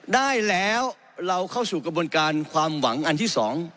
ได้แล้วเราเข้าสู่กระบวนการความหวังอันที่สอง